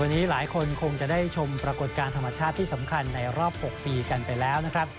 วันนี้หลายคนคงจะได้ชมปรากฏการณ์ธรรมชาติที่สำคัญในรอบ๖ปีกันไปแล้วนะครับ